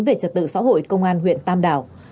về trật tự xã hội công an huyện tam đảo